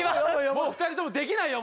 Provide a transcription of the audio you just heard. もう２人ともできないよ